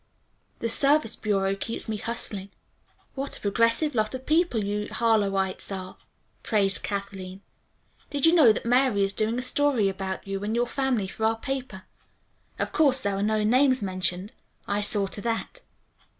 "The Service Bureau keeps me hustling." "What a progressive lot of people you Harlowites are," praised Kathleen. "Did you know that Mary is doing a story about you and your family for our paper. Of course there are no names mentioned. I saw to that."